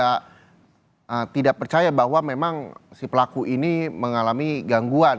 ketika dikonsultasi dan beberapa waktu lalu warga juga tidak percaya bahwa memang si pelaku ini mengalami gangguan